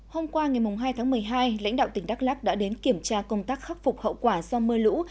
hôm qua ngày hai tháng một mươi hai lãnh đạo tỉnh đắk lắc đã đến kiểm tra công tác khắc phục hậu quả do mưa lũ